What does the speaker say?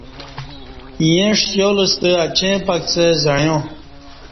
ییں ݜیال ستہ اچیں پکڅہ زعݩیا